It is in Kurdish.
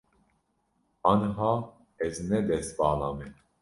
Aniha ez ne destvala me.